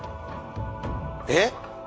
えっ？